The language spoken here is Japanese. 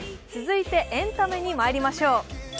続いてエンタメにまいりましょう。